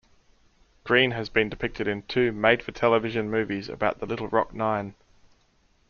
Green has been depicted in two made-for-television movies about the Little Rock Nine.